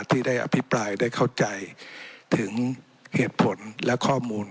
ที่ได้อภิปรายได้เข้าใจถึงเหตุผลและข้อมูล